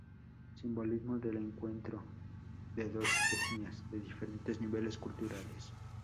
Simbolismo del encuentro de dos etnias, de diferentes niveles culturales.